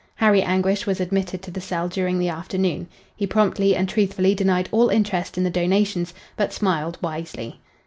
Harry Anguish was admitted to the cell during the afternoon. He promptly and truthfully denied all interest in the donations, but smiled wisely.